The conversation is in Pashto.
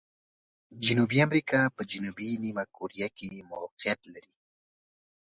جنوبي امریکا په جنوبي نیمه کره کې موقعیت لري.